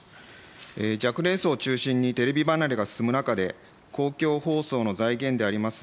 若年層を中心にテレビ離れが進む中で、公共放送の財源であります